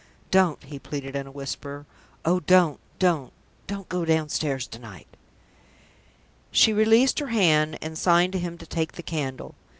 "Don't," he pleaded, in a whisper; "oh, don't, don't, don't go downstairs to night!" She released her hand, and signed to him to take the candle.